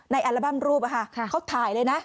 อัลบั้มรูปเขาถ่ายเลยนะ